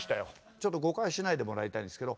ちょっと誤解しないでもらいたいんですけど